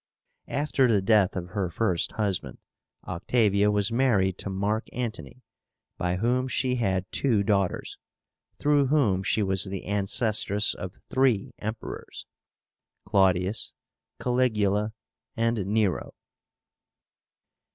After the death of her first husband, Octavia was married to Mark Antony, by whom she had two daughters, through whom she was the ancestress of three Emperors, CLAUDIUS, CALIGULA, and NERO.